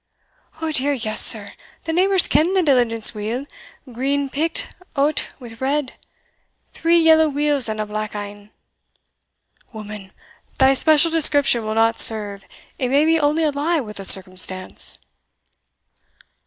"O dear, yes, sir; the neighbours ken the diligence weel, green picked oat wi' red three yellow wheels and a black ane." "Woman, thy special description will not serve it may be only a lie with a circumstance."